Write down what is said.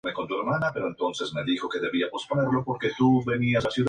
Por otro lado se encuentra cataloga como edificio de Especial Protección.